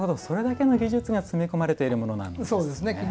それだけの技術が詰め込まれているものなんですね。